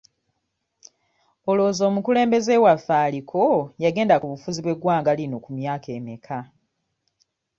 Olowooza omukulembeze waffe aliko yagenda ku bufuzi bw'eggwanga lino ku myaka emmeka?